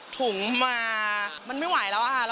ถุงมามันไม่ไหวแล้วค่ะ